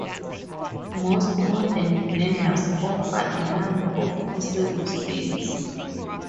Most modern blenders offer a number of possible speeds.